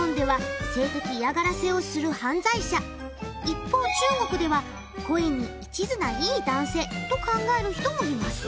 一方中国では「恋に一途な良い男性」と考える人もいます。